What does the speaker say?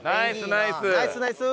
ナイスナイス！